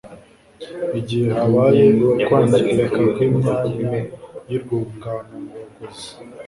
igihe habaye ukwangirika kwimyanya yurwungano ngogozi